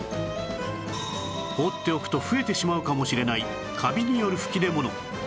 放っておくと増えてしまうかもしれないカビによる吹き出物